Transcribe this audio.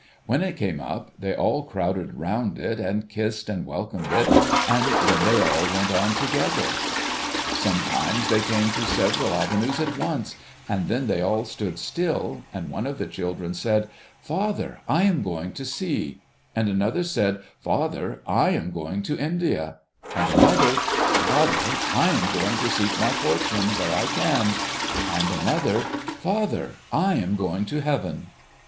When it came up, they all crowded round it, and kissed and welcomed it ; and then they all went on together. Sometimes, they came to several avenues at once, and then they all stood still, and one of the children said, ' Father, I am going to sea,' and another said, ' Father, I am going to India,' and another, ' Father, I am going to seek my fortune where I can,' and another, ' Father, I am going to Lleaven